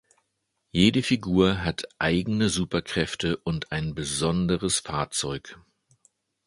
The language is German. Jede Figur hat eigene Superkräfte und ein besonderes Fahrzeug.